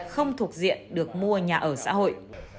không thuộc diện được mua nhà ở xã hội